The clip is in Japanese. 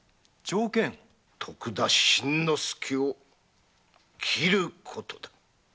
徳田新之助を斬ることだ。